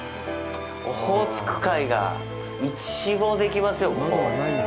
オホーツク海が一望できますよ、ここ。